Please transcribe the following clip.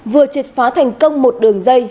vừa triệt phá thành công một đường dây